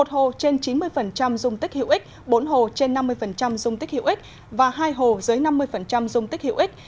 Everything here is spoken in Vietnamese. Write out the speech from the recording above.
một hồ trên chín mươi dung tích hiệu ích bốn hồ trên năm mươi dung tích hiệu ích và hai hồ dưới năm mươi dung tích hiệu ích